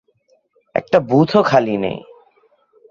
একটা বুথ ও খালি নেই।